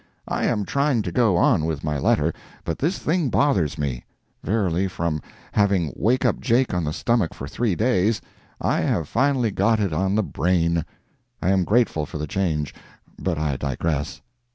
I am trying to go on with my letter, but this thing bothers me; verily, from having "Wake up Jake" on the stomach for three days, I have finally got it on the brain. I am grateful for the change. But I digress.